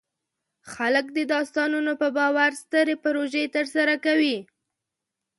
خلک د داستانونو په باور سترې پروژې ترسره کوي.